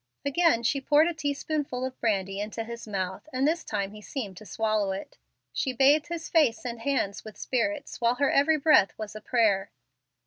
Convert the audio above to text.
Again she poured a teaspoonful of brandy into his mouth, and this time he seemed to swallow it. She bathed his face and hands with spirits, while her every breath was a prayer.